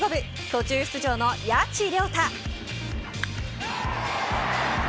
途中出場の谷内亮太。